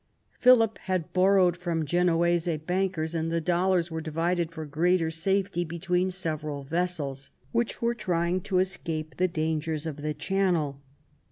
Philip had borrowed from Genoese bankers and the dollars were divided, for greater safety, among several vessels, which were trying to escape the dangers of the Channel.